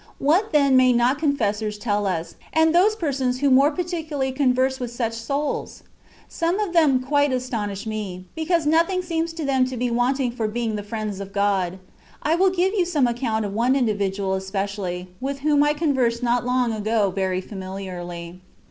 What then may not confessors tell us, and those persons who more particularly converse with such souls? Some of them quite astonish me, because nothing seems to be wanting to them for being the friends of God. I will give you some account of one in dividual especially, with whom I conversed not long ago very familiarly.